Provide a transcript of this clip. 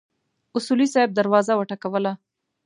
اصولي صیب دروازه وټکوله.